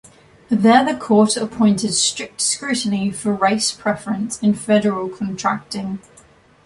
There the Court adopted strict scrutiny for race preference in federal contracting.